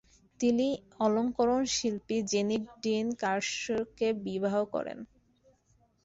তিনি অলংকরণ-শিল্পী Jenny Dean কারশ-কে বিবাহ করেন।